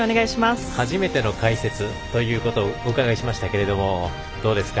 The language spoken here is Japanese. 初めての解説ということをお伺いしましたけれどもどうですか。